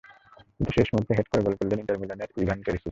কিন্তু শেষ মুহূর্তে হেড করে গোল করলেন ইন্টার মিলানের ইভান পেরিসিচ।